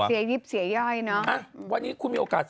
เสียยิบเสียย่อยเนอะ